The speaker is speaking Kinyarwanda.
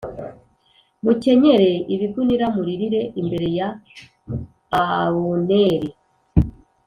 mukenyere ibigunira muriririre imbere ya Abuneri.